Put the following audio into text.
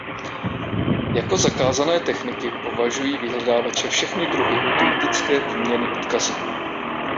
Jako zakázané techniky považují vyhledávače všechny druhy automatické výměny odkazů.